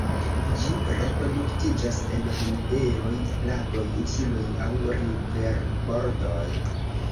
Ĝi reproduktiĝas en humidejoj, lagoj, insuloj aŭ riverbordoj.